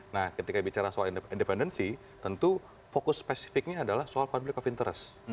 nah ketika bicara soal independensi tentu fokus spesifiknya adalah soal konflik of interest